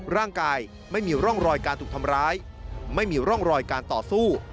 ร่างกายไม่มีร่องรอยจริงการต่อสู้